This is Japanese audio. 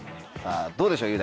どうでしょう？